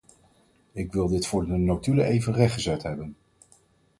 Ik wil dit voor de notulen even rechtgezet hebben.